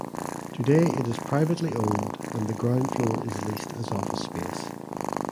Today it is privately owned and the ground floor is leased as office space.